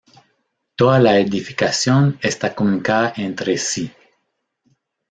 Toda la edificación está comunicada entre sí.